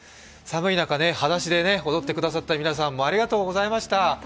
寒い中、はだしで踊ってくださった皆さんもありがとうございました。